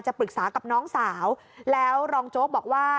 ปรึกษากับน้องสาวแล้วรองโจ๊กบอกว่า